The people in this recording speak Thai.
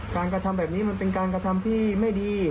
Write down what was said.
การกระทำแบบนี้มันเป็นการกระทำที่ไม่ดี